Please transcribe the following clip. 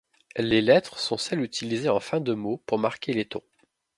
Les lettres sont celles utilisées en fin de mots pour marquer les tons.